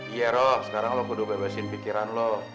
iya rok sekarang lu kudu bebasin pikiran lu